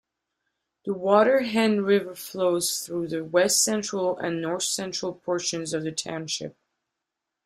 The Water Hen River flows through the west-central and north-central portions of the township.